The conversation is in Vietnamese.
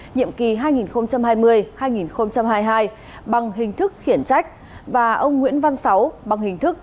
nhiệm kỳ hai nghìn hai mươi hai nghìn hai mươi hai bằng hình thức khiển trách và ông nguyễn văn sáu bằng hình thức